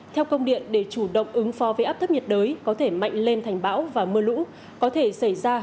theo công điện để chủ động ứng phó với áp thấp nhiệt đới có thể mạnh lên thành bão và mưa lũ có thể xảy ra